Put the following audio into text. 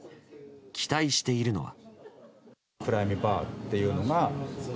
期待しているのは。